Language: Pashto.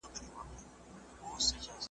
دا مي سمنډوله ده برخه مي لا نوره ده